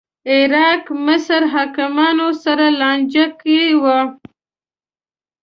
عراق مصر حاکمانو سره لانجه کې و